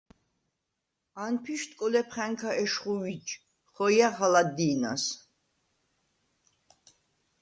ანფიშვდ კოლეფხა̈ნქა ეშხუ ვიჯ, ხოჲახ ალა დი̄ნას.